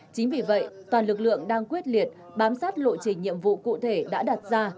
chính vì vậy toàn lực lượng đang quyết liệt bám sát lộ trình nhiệm vụ cụ thể đã đặt ra